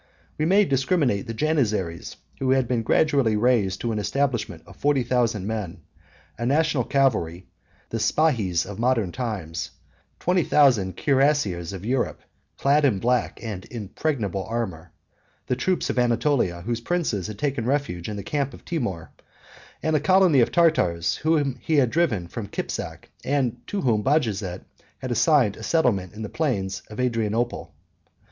We may discriminate the Janizaries, who have been gradually raised to an establishment of forty thousand men; a national cavalry, the Spahis of modern times; twenty thousand cuirassiers of Europe, clad in black and impenetrable armor; the troops of Anatolia, whose princes had taken refuge in the camp of Timour, and a colony of Tartars, whom he had driven from Kipzak, and to whom Bajazet had assigned a settlement in the plains of Adrianople.